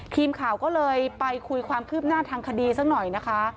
ทีมข่าวก็เลยไปคุยความคืบหน้าทางคดีสักหน่อยนะคะ